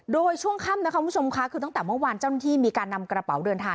โดยช่วงค่ำนะคะคุณผู้ชมค่ะคือตั้งแต่เมื่อวานเจ้าหน้าที่มีการนำกระเป๋าเดินทาง